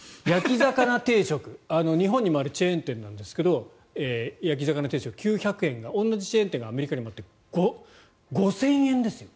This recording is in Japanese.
日本にもあるチェーン店ですが焼き魚定食、９００円が同じチェーン店がアメリカにもあって５０００円ですよ。